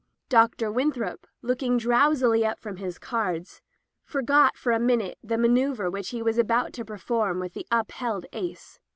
Dr. Winthrop, looking drowsily up from his cards, forgot for a minute the manoeuvre which he was about to perform with the up held ace.